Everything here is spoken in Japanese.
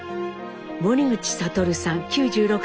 森口智さん９６歳です。